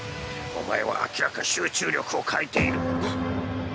お前は明らかに集中力を欠いている。